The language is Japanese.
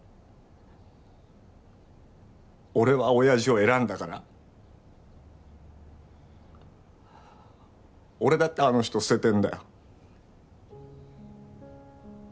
俺はおやじを選んだから俺だってあの人を捨ててるんだよ。